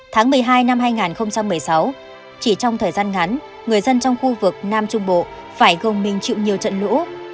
tháng một mươi hai năm hai nghìn một mươi sáu chỉ trong thời gian ngắn người dân trong khu vực nam trung bộ phải gồng mình chịu nhiều trận lũ